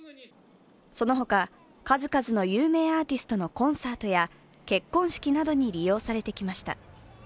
そのほか、数々の有名アーティストのコンサートや結婚式などに利用されてきました。